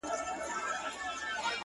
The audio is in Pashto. نسه نه وو نېمچه وو ستا د درد په درد ـ